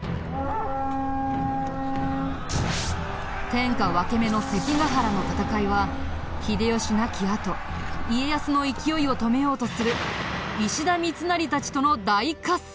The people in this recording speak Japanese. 天下分け目の関ヶ原の戦いは秀吉亡き後家康の勢いを止めようとする石田三成たちとの大合戦。